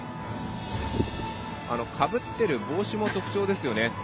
かぶってる帽子も特徴的ですよね。